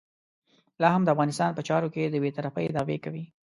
لا هم د افغانستان په چارو کې د بې طرفۍ دعوې کوي.